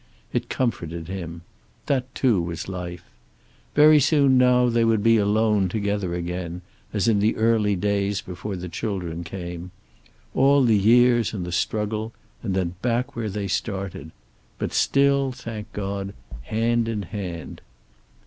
It comforted him. That, too, was life. Very soon now they would be alone together again, as in the early days before the children came. All the years and the struggle, and then back where they started. But still, thank God, hand in hand.